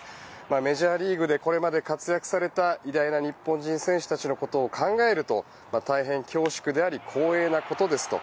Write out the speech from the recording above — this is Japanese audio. メジャーリーグでこれまで活躍された偉大な日本人選手たちのことを考えると大変恐縮であり光栄なことですと。